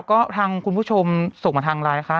ก็ทางคุณผู้ชมส่งมาทางไลน์นะคะ